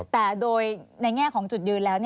แต่โดยในแง่ของจุดยืนแล้ว